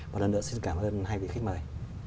một lần nữa xin cảm ơn hai vị khách mời